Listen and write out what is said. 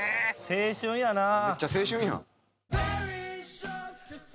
青春やな！